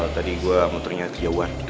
tadi gue muternya kejauhan